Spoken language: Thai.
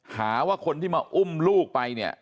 หาว่าคนที่มาอุ้มลูกไปเนี่ย